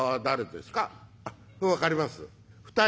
「誰ですか？」。